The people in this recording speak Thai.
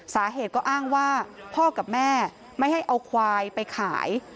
สาเหตุก็อ้างว่าพ่อกับแม่ไม่ให้เอาควายไปขาย